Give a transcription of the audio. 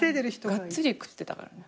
がっつり食ってたからね。